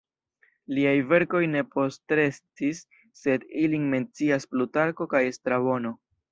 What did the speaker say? Liaj verkoj ne postrestis, sed ilin mencias Plutarko kaj Strabono.